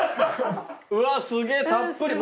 うわすげぇたっぷり。